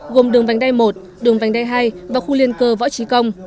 gồm đường vành đai một đường vành đai hai và khu liên cơ võ trí công